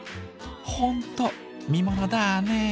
「ほんと見ものだね！」。